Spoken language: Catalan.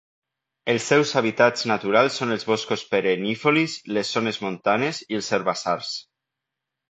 Els seus hàbitats naturals són els boscos perennifolis, les zones montanes i els herbassars.